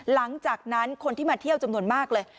หลังจากนั้นคนที่มาเที่ยวจำนวนมากเลย